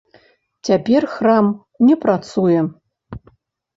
Цяпер храм не працуе.